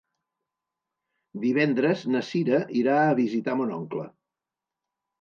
Divendres na Cira irà a visitar mon oncle.